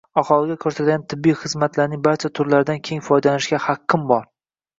Aholiga ko‘rsatiladigan tibbiy xizmatlarning barcha turlaridan teng foydalanishga haqqim bor.